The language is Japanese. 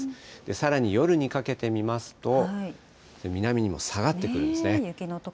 さらに夜にかけて見ますと、南にも下がってくるんですね。